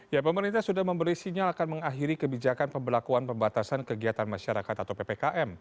ya pemerintah sudah memberi sinyal akan mengakhiri kebijakan pembelakuan pembatasan kegiatan masyarakat atau ppkm